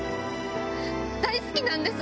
大好きなんです。